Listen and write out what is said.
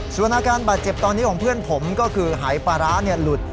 ส่วนอาการบาดเจ็บตอนนี้ของเพื่อนผมก็คือหายปลาร้าหลุด